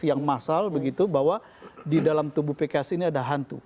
yang masal begitu bahwa di dalam tubuh pks ini ada hantu